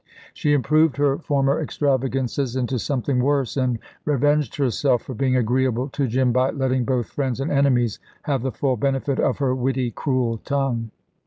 She improved her former extravagances into something worse, and revenged herself for being agreeable to Jim by letting both friends and enemies have the full benefit of her witty, cruel tongue.